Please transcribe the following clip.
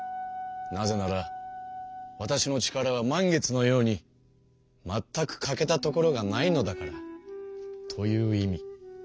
なぜならわたしの力は満月のようにまったく欠けたところがないのだから」という意味。